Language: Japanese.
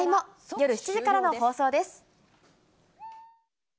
夜７時からの放送です。